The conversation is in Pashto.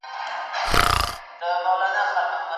د کندهار صنعت کي د مدیریت رول څه دی؟